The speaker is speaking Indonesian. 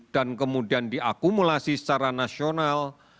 dan kemudian diakumulasi secara nasional